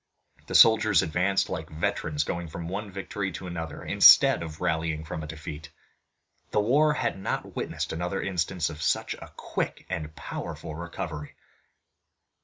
The soldiers advanced like veterans going from one victory to another, instead of rallying from a defeat. The war had not witnessed another instance of such a quick and powerful recovery.